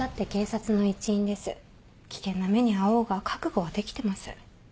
危険な目に遭おうが覚悟はできてます。